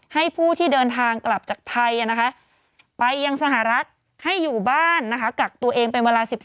ให้ผู้ที่เดินทางกลับจากไทยไปยังสหรัฐให้อยู่บ้านนะคะกักตัวเองเป็นเวลา๑๔